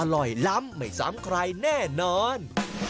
ล้ำไม่ซ้ำใครแน่นอน